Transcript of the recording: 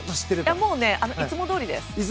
もういつもどおりです。